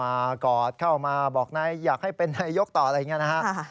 เข้ามากอดเข้ามาบอกย่าให้เป็นนายยกต่ออะไรอย่างนี้นะครับ